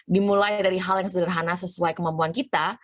dimulai dari hal yang sederhana sesuai kemampuan kita